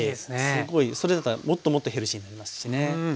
すごいそれだともっともっとヘルシーになりますしね。